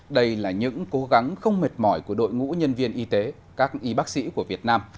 đây là những cố gắng không mệt mỏi của đội ngũ nhân viên y tế các y bác sĩ của việt nam